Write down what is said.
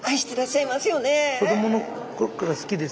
子どもの頃から好きです。